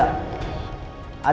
apa suaminya tidak curiga